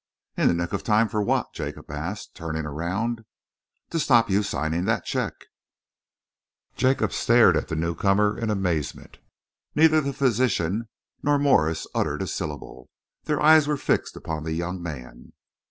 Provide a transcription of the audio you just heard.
"In the nick of time for what?" Jacob asked, turning around. "To stop your signing that cheque." Jacob stared at the newcomer in amazement. Neither the physician nor Morse uttered a syllable. Their eyes were fixed upon the young man.